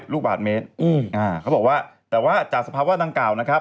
ลูกบาทเมตรเขาบอกว่าแต่ว่าจากสภาวะดังกล่าวนะครับ